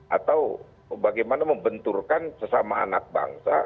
atau bagaimana membenturkan sesama anak bangsa